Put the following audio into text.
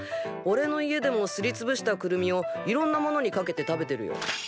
おれの家でもすりつぶしたくるみをいろんなものにかけて食べてるよ。